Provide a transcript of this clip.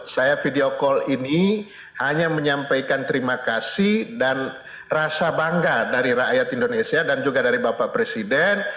saya video call ini hanya menyampaikan terima kasih dan rasa bangga dari rakyat indonesia dan juga dari bapak presiden